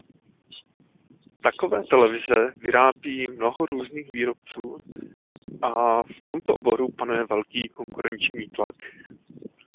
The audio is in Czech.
Takové televize vyrábí mnoho různých výrobců a v tomto oboru panuje velký konkurenční tlak.